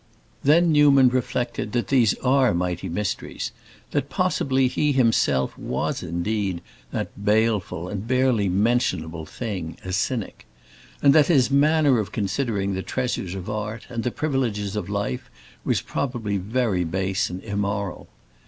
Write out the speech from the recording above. Then Newman reflected that these are mighty mysteries, that possibly he himself was indeed that baleful and barely mentionable thing, a cynic, and that his manner of considering the treasures of art and the privileges of life was probably very base and immoral.